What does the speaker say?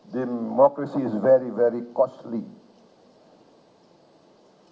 demokrasi itu sangat sangat berharga